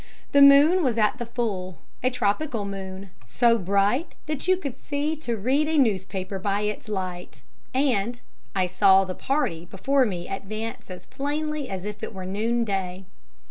The moon was at the full a tropical moon so bright that you could see to read a newspaper by its light, and I saw the party before me advance as plainly as it were noon day.